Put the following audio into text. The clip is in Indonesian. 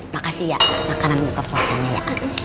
makasih ya makanan buka puasanya ya